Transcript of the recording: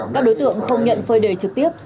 các đối tượng không nhận phơi đề trực tiếp